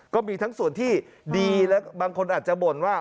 ก็มีทั้งส่วนที่ดีและบางคนอาจจะบ่นว่า